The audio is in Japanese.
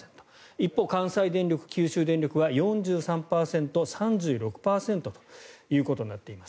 一方、関西電力、九州電力は４３％、３６％となっています。